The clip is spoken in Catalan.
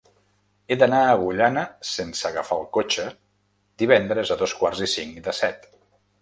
He d'anar a Agullana sense agafar el cotxe divendres a dos quarts i cinc de set.